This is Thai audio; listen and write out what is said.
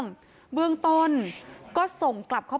นี่นะคะคือจับไปได้แล้วสาม